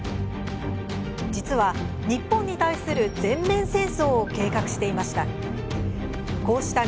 実は、日本に対する全面戦争を計画していました。